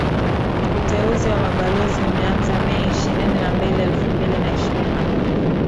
Uteuzi wa Mabalozi umeanza Mei ishirini na mbili elfu mbili na ishirini na moja